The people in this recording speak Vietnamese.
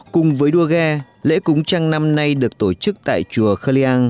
cùng với đua ghe lễ cúng trăng năm nay được tổ chức tại chùa khơ liang